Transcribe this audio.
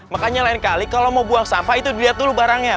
makanya lain kali kalau mau buang sampah itu dilihat dulu barangnya